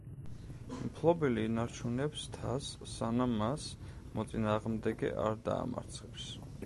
მფლობელი ინარჩუნებს თასს სანამ მას მოწინააღმდეგე არ დაამარცხებს.